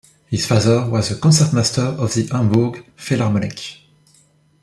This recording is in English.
His father was the concertmaster of the Hamburg Philharmonic.